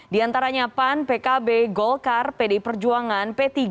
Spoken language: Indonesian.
di antaranya pan pkb golkar pdi perjuangan p tiga